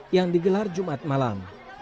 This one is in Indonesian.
yang digelar jumat malam